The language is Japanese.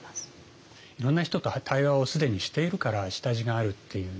いろんな人と対話を既にしているから下地があるっていうね